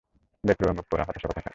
বেপরোয়া-মুখপোড়া হতাশা কোথাকার!